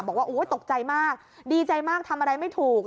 บอกว่าโอ้ยตกใจมากดีใจมากทำอะไรไม่ถูก